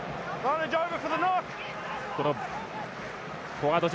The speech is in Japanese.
フォワード陣